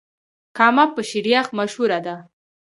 کامه په شيريخ مشهوره ده.